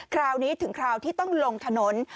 คราวนี้ถึงคราวที่ต้องลงถนน